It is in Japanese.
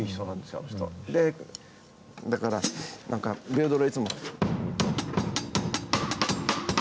でだから何か平等でいつも。